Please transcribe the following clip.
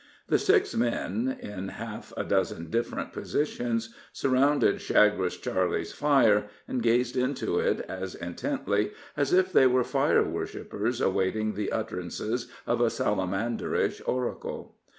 The six men, in half a dozen different positions, surrounded Chagres Charley's fire, and gazed into it as intently as if they were fire worshipers awaiting the utterances of a salamanderish oracle.